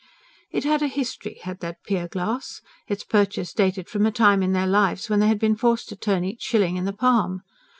It had a history had that pier glass; its purchase dated from a time in their lives when they had been forced to turn each shilling in the palm.